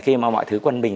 khi mà mọi thứ quân bình